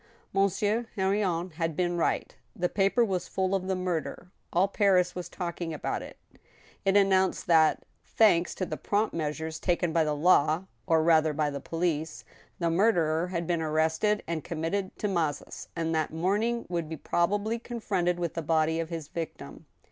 Monsieur Henrion had been right. The paper was full of the murder ; all Paris was talking about it. It announced that, thanks to the prompt measures taken by the law, or rather by the police, the murderer had been arrested and committed to Mazas, and that morning would be probably confronted with the body of his victim.